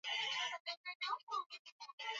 Ni muhimu katika kusimamia utoaji haki nchini